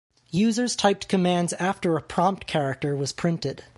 Users typed commands after a prompt character was printed.